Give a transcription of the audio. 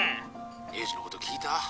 栄治のこと聞いた？